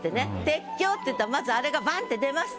鉄橋っていったらまずあれがバン！って出ます。